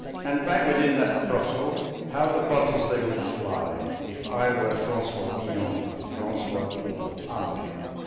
And, back within that brothel, how the bottles they would fly, If I were Francois Villon and Francois Villon I!